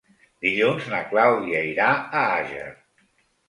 Dilluns na Clàudia irà a Àger.